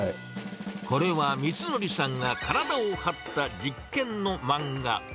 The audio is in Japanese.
これはみつのりさんが体を張った実験の漫画。